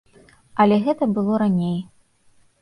Але гэта было раней.